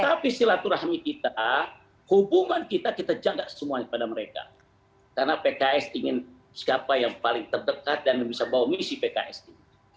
tapi silaturahmi kita hubungan kita kita jaga semuanya pada mereka karena pks ingin siapa yang paling terdekat dan bisa bawa misi pks ini